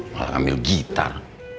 malah ambil gitar